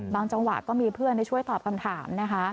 จังหวะก็มีเพื่อนช่วยตอบคำถามนะคะ